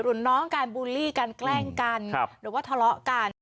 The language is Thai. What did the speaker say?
รุ่นน้องการบูลลี่กันแกล้งกันหรือว่าทะเลาะกัน